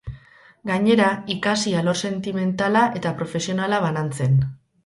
Gainera, ikasi alor sentimentala eta profesionala banantzen.